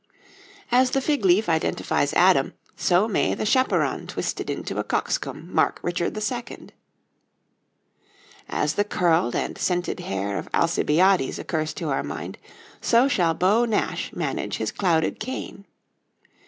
As the fig leaf identifies Adam, so may the chaperon twisted into a cockscomb mark Richard II. As the curled and scented hair of Alcibiades occurs to our mind, so shall Beau Nash manage his clouded cane.